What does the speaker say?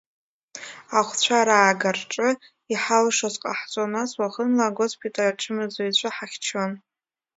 Ахәцәа раагарҿы иҳалшоз ҟаҳ-ҵон, нас уахынла агоспиталь ачымазыҩцәа ҳахьчон.